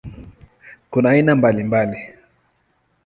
Kuna aina mbalimbali.